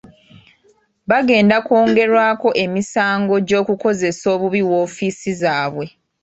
Bagenda kwongerwako emisango gy'okukozesa obubi woofiisi zaabwe.